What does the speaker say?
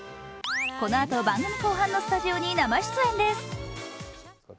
このあと番組後半のスタジオに生出演です。